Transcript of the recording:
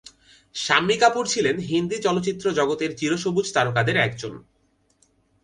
শাম্মী কাপুর ছিলেন হিন্দি চলচ্চিত্র জগতের চির-সবুজ তারকাদের একজন।